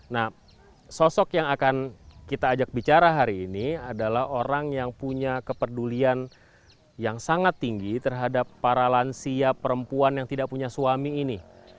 nah sosok yang akan kita ajak bicara hari ini adalah orang yang punya kepedulian yang sangat tinggi terhadap para lansia perempuan yang tidak punya suami ini